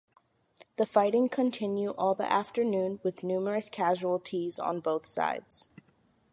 The fighting continue all the afternoon, with numerous casualties on both sides.